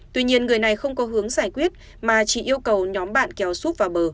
tuy nhiên người này không có hướng giải quyết mà chỉ yêu cầu nhóm bạn kéo xúc vào bờ